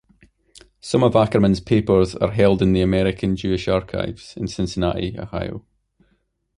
Some of Ackerman's papers are held in the American Jewish Archives, in Cincinnati, Ohio.